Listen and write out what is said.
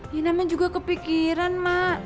ya namanya juga kepikiran ma